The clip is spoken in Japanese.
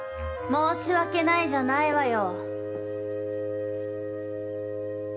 申し訳ないじゃないわよ。